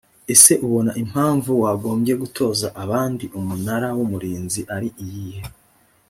ese ubona impamvu wagombye gutoza abandi umunara w umurinzi ari iyihe?